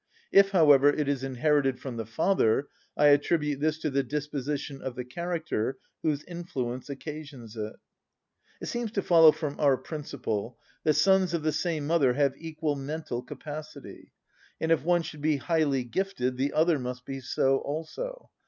If, however, it is inherited from the father, I attribute this to the disposition of the character whose influence occasions it. It seems to follow from our principle that sons of the same mother have equal mental capacity, and if one should be highly gifted the other must be so also.